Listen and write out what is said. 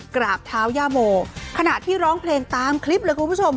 กราบเท้าย่าโมขณะที่ร้องเพลงตามคลิปเลยคุณผู้ชม